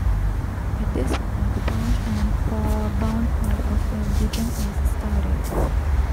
At this point, the branch and bound part of the algorithm is started.